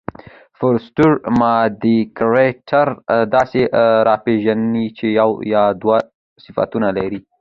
فوسټر ساده کرکټر داسي راپېژني، چي یو یا دوه صفتونه لري.